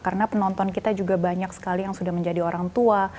karena penonton kita juga banyak sekali yang sudah menjadi orang tua